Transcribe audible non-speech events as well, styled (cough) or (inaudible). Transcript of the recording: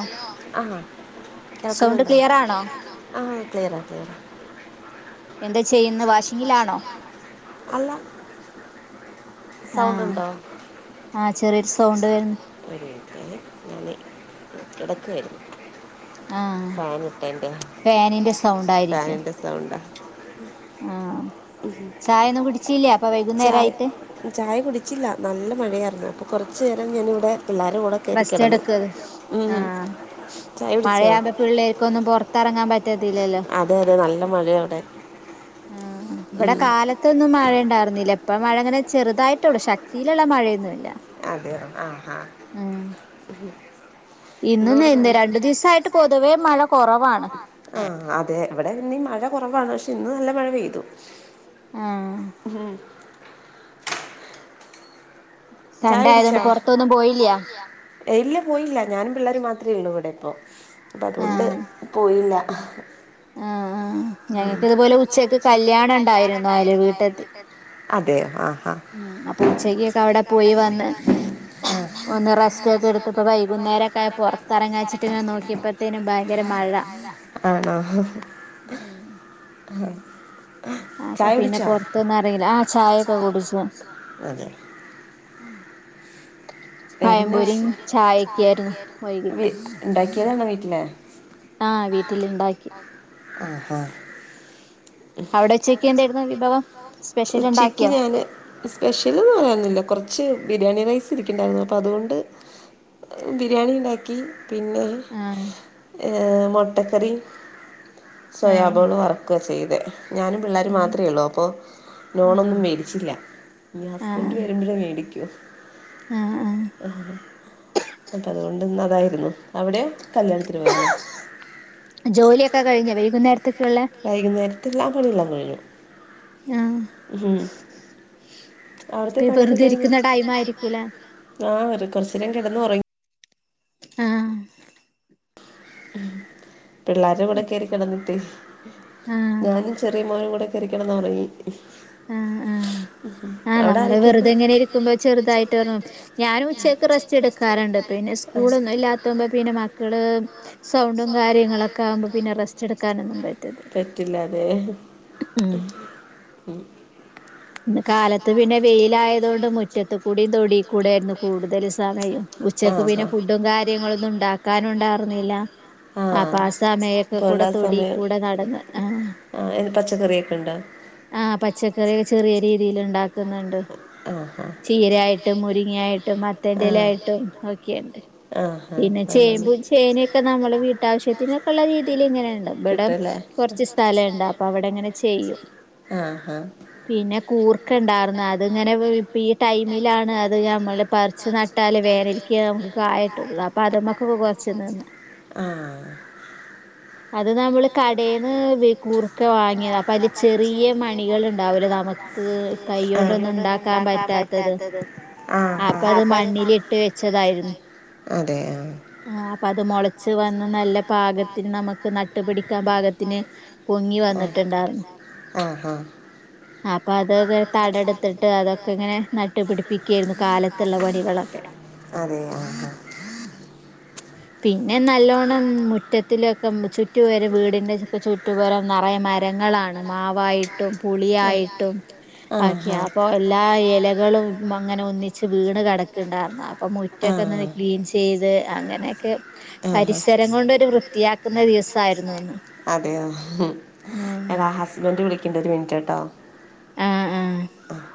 Hello ആഹ് കേക്കുന്നുണ്ടോ clear sound ആണോ ക്ലിയറാണോ ആഹ്. (unintelligible) എന്താ ചെയ്യുന്ന വാഷിങ്ങിലാണോ? അല്ല സൗണ്ട് ആഹ് ഉണ്ടോ ആഹ് ചെറിയൊരു സൗണ്ട് വരുന്ന്. (unintelligible) കിടക്കുവാരുന്നു ആഹ് ഫാനിന്റെ സൗണ്ടായിരിക്കും ഫാനിൻ്റെ സൗണ്ടാ ആഹ ചായ ഒന്നും കുടിച്ചില്ല. ചായ, ചായ കുടിച്ചില്ല നല്ല മഴയായിരുന്നു അപ്പൊ കുറച്ച് ഇച്ചിനേരം ഞാനിവിടെ പിള്ളേരുടെ കൂടെ കയറി റസ്റ്റ് കിടന്നു എടുക്ക് ഉം. ആഹ ചായ കുടിച്ചോ മഴയാവുമ്പൊ പിള്ളേർക്ക് ഒന്നും പുറ കറങ്ങാ പ റ്റത്തില്ലല്ലോ? അതെ അതെ നല്ല മഴയാണ് അവിടെ ആ ഇവിടെ ഉം. കാലത്തൊന്നും മഴ ഇണ്ടായിരുന്നില്ല. ഇപ്പ മഴ അങ്ങനെ ചെറുതായിട്ട് ഉള്ളൂ, ശക്തിയിലുള്ള മഴയൊന്നു ഇല്ല. അതെ യൊ? ആ. ആ എന്ന് ഇന്നും കൊടുക്കാന, ഇന്ന് രണ്ടു രണ്ട് ദിവസായിട്ട് ദിവസമായിട്ട് പൊതുവേ പൊതുവെ മഴ കുറവാണ്, ആ അതെ. ഇവിടെ ഇന്നീ മഴ കുറവാണ്, പക്ഷെ ഇന്ന് നല്ല മഴ പെയ്തു. ആഹ്. ചായ സൺഡേ ആയതുകൊണ്ട് പിടിച്ചാ പുറത്തൊന്നും പോയില്ല ഇല്ല പോയില്ല ഞാനും പിള്ളേര് മാത്രമേ ഉള്ളൂ ഇവിടെ അ അപ്പം അതുകൊണ്ട് ആഹ് പോയില്ല ആഹ ആഹ് ആഹ് ക്ക് ഞങ്ങക്ക് ഇതുപോലെ ഉച്ചക്ക് കല്യാണം ഉണ്ടായിരുന്നു അയൽ ഉണ്ടായിരുന്നുന്തായാലും വീട്ടത്ത് വീട്ട അതെയോ ആ ഉം അപ്പൊ ഉച്ചക്ക്ൊക്കെ അവിടെ വിടെ പോയി വന്ന് വ ഒന്ന് ഒ റെസ്റ്റ് ഒക്കെ റസ്റ്റ്ക്കെ എടുത്തപ്പോ എടുട്ട് വൈകുന്നേരൊക്കെ വൈകുന്നേരം പുറത്തിറങ്ങാച്ചിട്ട് ഇങ്ങനെ നോക്കിയപ്പോത്തേനും ഭയങ്കര മഴ നോ ഉം ഉ അപ്പൊ പിന്നെ പൊറത്തൊന്നും അറിയില്ല ആ ചായൊക്കെ കുടിച്ചു ഉ ചായക്കായിരുന്നു വ വൈകിട്ട് ഉണ്ടാക്കി എതാണ് വീട്ടില്െ ആ ആഹ് വീട്ടിലുണ്ടാക്കി അവിടെ ഉച്ചക്ക് എന്തായിരുന്നു വിഭവം സ്പെഷ്യൽ ഉച്ചക്ക് ഉണ്ടാക്കിയോ ഞാന് സ്പെഷ്യൽ പറയാുന്നില്ല കൊറച്ച് ബിരിയാണി റൈ ണ്ടായിരുന്നു അപ്പോ അതുകൊണ്ട് ബിരിയാണി ഉണ്ടാക്കി പിന്നെ ആഹ് മട്ടക്കറി ആഹ് സോയാബോൾ വർക്ക ചെയ്തു അതെ ഞാനും പിള്ളേർ ആഹ് മാത്രഒള്ളൂ അപ്പോൾ ലോണൊന്നും ആഹ് മേടിച്ചില്ല ഹസ്ബൻഡ് ആഹ് വരുമ്പോഴേ മേടിക്കൂ ആഹ് ആഹ് ആ ചട്ടകം കൊണ്ട് ഇന്ന് അതായിരുന്നു അവിടെ കല്യാണത്തിന് പോയല്ലേ ജോലിയൊക്കെ കഴിഞ്ഞോ വൈകുന്നേരത്തേക്കുള്ള വൈകുന്നേരം ഇള്ളതെല്ലാം കഴിഞ്ഞു ആഹ് ഉം അവിടുത്തെ ഇപ്പം പണിയൊക്കെ വെറുതെ കഴിഞ്ഞു ഇരിക്കുന്ന ടൈം ആയിരിക്കൂലെ ആ കുറച്ചേരം കെടന്ന് ഉറങ്ങി ആ ഉം പിള്ളേരും ഇവിടെ കേറി കിടന്നിട്ട് ആഹ് ഞാനും ചെറിയമോളും കൂടെ കേറി കിടന്ന് ഒറങ്ങി ആ ആ അവിടെ ആനമ്മള് ആരൊക്കെയുണ്ട് വെറുതെ എങ്ങനെ ഇരിക്കുമ്പോ ചെറുതായിട്ട്റങ്ങും ഞാനും ഉച്ചക്ക് റെസ്റ്റ് എടുക്കാറുണ്ട് പിന്നെ ആ സ്കൂളൊന്നും ഇല്ലാത്തുമ്പോ പിന്നെ മക്കള് സൗണ്ടും കാര്യങ്ങളൊക്കെ ആവുമ്പം പിന്നെ റസ്റ്റ് എട്ക്കാനൊന്നും പറ്റത്തി പറ്റില്ല അതെ (unintelligible) ഉം ഇന്ന് കാലത്ത് പിന്നെ വെയിലായതോണ്ട് മുറ്റത്ത്ക്കൂടി തൊടി കൂടേര്ന്നു കൂടുതല് സമയും ഉച്ചക്ക് പിന്നെ ഫുഡും കാര്യങ്ങളൊന്നും ഉണ്ടാക്കാനും ഉണ്ടാ കൊട്ന്നീല്ല ആഹ് ആപ്പാ സമയക്കെക്കൂടെ അതുകൊണ്ട് ആ തൊടിയി സമയം കൂടെ നടന്ന് ആ പച്ചക്കറിയൊക്കെ ഉണ്ടോ ആ പച്ചക്കറി വെ ഏ രീതില് ഇണ്ടാക്ക്ന്ന്ണ്ട് ആഹ് ഹാ ട്ട് മുരിങ്ങ്യായി ട്ടും മത്തൻ്റലായിട്ടും ഒക്കെയിണ്ട് പിന്നെ ചേമ്പും, ചേനയൊക്കെ നമ്മള് വീട്ടാവശ്യത്തിനൊക്കെള്ള രീതില് ഇങ്ങനെണ്ട് ഇവിടെ കൊറച്ച് ഇങ്ങനെണ്ട് സ്ഥലേണ്ട് അപ്പൊ അവിടെങ്ങനെ ചെയ്യും കൂർ ഒക്കെ ഇണ്ടാർന്നു അത് ഇങ്ങനെ ഇപ്പ ഈ ടൈമിലാണ് അത് നമ്മള് ഞമ്മള് പറിച്ച് നട്ടാല് വേനൽക്ക് നമുക്ക് കായിട്ടുള്ളൂ അപ്പൊ കായിട്ടുള്ളത് അതുമ്മക്കൊക്കെ അതിമ്മക്ക് ഒക്കെ കുറച്ച് കൊറച്ച് നിന്ന് (unintelligible) ആഹ് അത് നമ്മള് കടേന്ന് വി കൂർക്ക വാങ്ങിയതാ അപ്പൊ അതില് ചെറിയ മണികൾ ഉണ്ടാവൂലോ നമുക്ക് കൈയോണ്ടൊന്നും ഇണ്ടാക്കാൻ പറ്റാത്തത് ആഹാ അപ്പൊ അത് മണ്ണിലിട്ട് വെച്ചതായിരുന്നു അതെ ആഹ് ആ ഇപ്പ അത് മൊളച്ച് വന്ന് നല്ല പാകത്തിൽ നമക്ക് നട്ടുപിടിക്കാൻ ഭാഗത്തിന് പൊങ്ങി വന്നിട്ടുണ്ടായിരുന്നു ആഹാ അപ്പൊ അത് തടെടുത്തിട്ട് അതൊക്കെ ഇങ്ങനെ നട്ടുപിടിപ്പിക്കായിരുന്നു കാലത്തുള്ള പണികളൊക്കെ അതെ ആഹാ പിന്നെ നല്ലോണ്ണം മുറ്റത്തിലൊക്ക് (unintelligible) ചുറ്റുപരെ വീടിന്റെ ചുറ്റുപരം നറയെ മരങ്ങളാണ് മാവായിട്ടും ആ. പുളിയായിട്ടും ആഹാ ആക്കയാ അപ്പൊ എല്ലാ എലകളും അങ്ങനെ ഒന്നിച്ച് വീണ് കെടക്ക് ക്കെ ഇണ്ടാർന്നാ അപ്പ് അപ്പൊ ആ മുറ്റൊക്കെ ഒന്ന് ക്ലീൻ ചെയ്ത് അങ്ങനെയൊക്കെ ആഹാ പരിസരം കൊണ്ടൊരു വൃത്തിയാക്ക് അതെയോ ഉം ഉം എടാ ഹസ്ബൻഡ് വിളി ക്ക്ണ്ട് ഒരു മിനിറ്റ് ട്ടോ ആഹ് ആഹ്